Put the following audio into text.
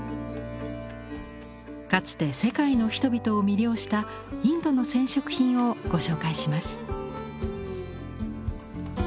かつて世界の人々を魅了したインドの染織品をご紹介します。